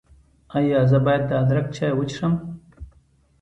ایا زه باید د ادرک چای وڅښم؟